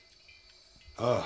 ああ。